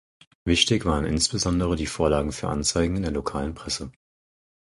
Wichtig waren insbesondere die Vorlagen für Anzeigen in der lokalen Presse.